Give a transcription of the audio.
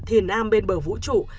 thiền am bên bờ vũ trụ